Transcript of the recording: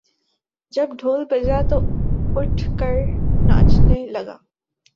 جب ڈھول بجا تو اٹھ کر ناچنے لگا